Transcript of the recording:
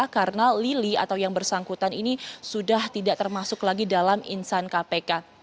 karena lili atau yang bersangkutan ini sudah tidak termasuk lagi dalam insan kpk